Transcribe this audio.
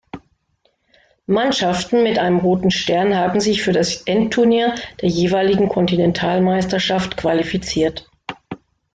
Mannschaften mit einem roten Stern haben sich für das Endturnier der jeweiligen Kontinentalmeisterschaft qualifiziert.